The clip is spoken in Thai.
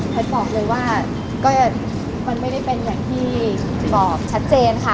บอกเลยว่าก็มันไม่ได้เป็นอย่างที่บอกชัดเจนค่ะ